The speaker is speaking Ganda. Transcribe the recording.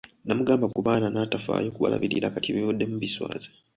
Nnamugamba ku baana n'atafaayo kubalabirira kati ebivuddemu biswaza.